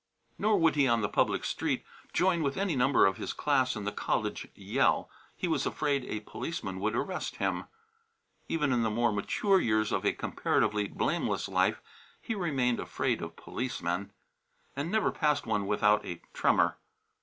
Nor would he, on the public street, join with any number of his class in the college yell. He was afraid a policeman would arrest him. Even in the more mature years of a comparatively blameless life he remained afraid of policemen, and never passed one without a tremor.